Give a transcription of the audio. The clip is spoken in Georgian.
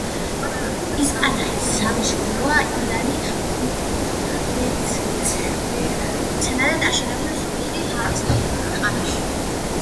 ისპანახის სამშობლოა ირანი, კულტურულ მცენარედ აშენებენ ზომიერი ჰავის ქვეყნებში.